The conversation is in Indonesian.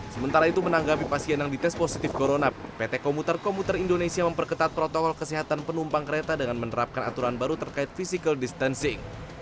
sementara itu menanggapi pasien yang dites positif corona pt komuter komuter indonesia memperketat protokol kesehatan penumpang kereta dengan menerapkan aturan baru terkait physical distancing